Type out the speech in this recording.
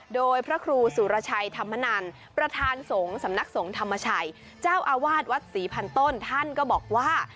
โดยพระครูสุรชัยธรรมนันประธานสงฆ์สำนักสงฆ์ธรรมชัยเจ้าอาวาสวัดศรีพันต้นท่านก็บอกว่า